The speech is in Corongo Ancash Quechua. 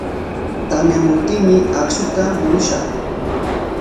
Tamyamuptinmi akshuta murushaq.